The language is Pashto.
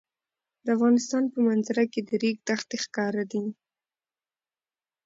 د افغانستان په منظره کې د ریګ دښتې ښکاره ده.